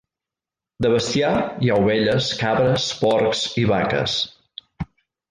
De bestiar, hi ha ovelles, cabres, porcs i vaques.